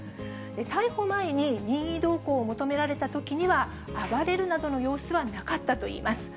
逮捕前に任意同行を求められたときには、暴れるなどの様子はなかったといいます。